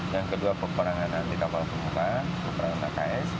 yang kedua peperangan anti kapal permukaan peperangan aks